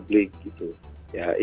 terus ketiga terkait dengan para publik